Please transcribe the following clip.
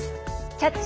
「キャッチ！